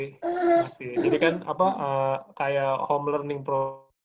jadi kan apa kayak home learning pro